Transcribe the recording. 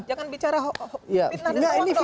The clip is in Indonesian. jangan bicara fitnah di luar kok